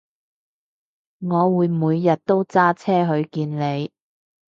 我會每日都揸車去見你